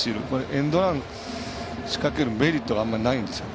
エンドラン仕掛けるメリットがあんまないんですよね。